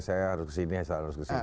saya harus kesini harus kesini